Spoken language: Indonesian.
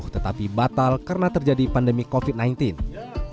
tetapi batal karena terjadi pandemi covid sembilan belas